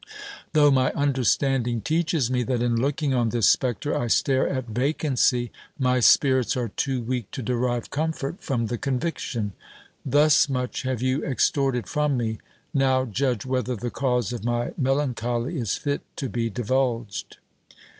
Though my understanding teaches me, that in looking on this spectre I stare at vacancy, my spirits are too weak to derive comfort from the conviction. Thus much have you extorted from me : now judge whether the cause of my melan choly is fit to be divulged.